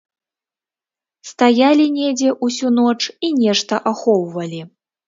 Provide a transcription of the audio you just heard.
Стаялі недзе ўсю ноч і нешта ахоўвалі.